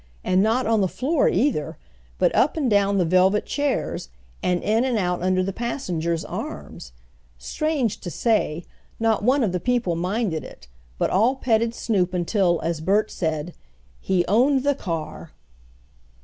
And not on the floor either, but up and down the velvet chairs, and in and out under the passengers' arms. Strange to say, not one of the people minded it, but all petted Snoop until, as Bert said, "He owned the car."